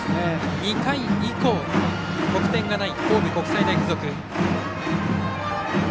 ２回以降、得点がない神戸国際大付属。